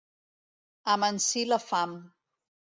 Amansir la fam.